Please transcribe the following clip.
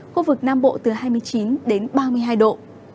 khu vực nam bộ từ hai mươi chín đến ba mươi hai độ